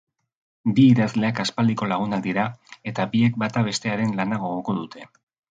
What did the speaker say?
Bi idazleak aspaldiko lagunak dira, eta biek bata bestearen lana gogoko dute.